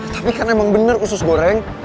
tapi karena emang bener usus goreng